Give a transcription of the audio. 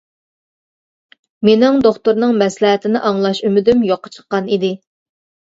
مىنىڭ دوختۇرنىڭ مەسلىھەتىنى ئاڭلاش ئۈمىدىم يوققا چىققان ئىدى.